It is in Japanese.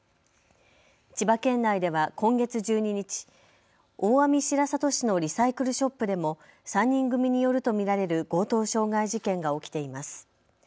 千葉県内では今月１２日、大網白里市のリサイクルショップでも３人組によると見られる強盗傷害事件が起きています。